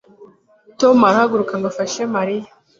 Tom arahaguruka ngo afashe Mariya